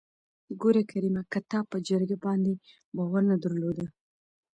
ګوره کريمه که تا په جرګه باندې باور نه درلوده.